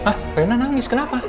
hah rena nangis kenapa